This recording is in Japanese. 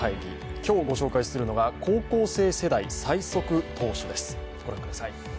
今日ご紹介するのは高校生世代、最速投手です。